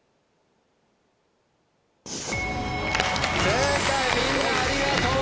正解みんなありがとう。